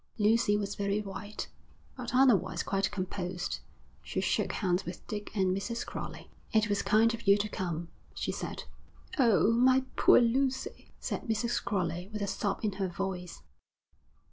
Lucy was very white, but otherwise quite composed. She shook hands with Dick and Mrs. Crowley. 'It was kind of you to come,' she said. 'Oh, my poor Lucy,' said Mrs. Crowley, with a sob in her voice.